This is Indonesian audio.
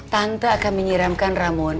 tante akan menyiramkan ramun